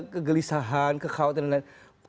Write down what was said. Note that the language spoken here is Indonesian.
kegelisahan kekhawatiran dan lain